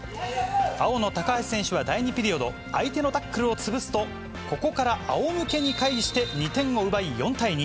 青の高橋選手は第２ピリオド、相手のタックルを潰すと、ここからあおむけに返して、２点を奪い４対２。